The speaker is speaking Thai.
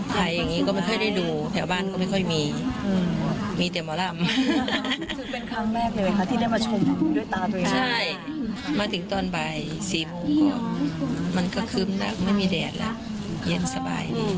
ใช่มาถึงตอนบ่าย๔โมงก็มันก็คืมหนักไม่มีแดดแล้วเย็นสบายเลย